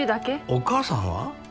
お母さんは？